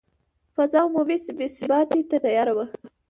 فضا عمومي بې ثباتي ته تیاره وه.